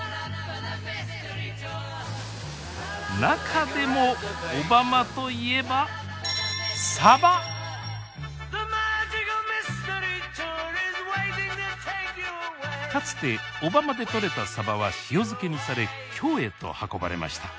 中でも小浜といえばかつて小浜で取れたサバは塩漬けにされ京へと運ばれました。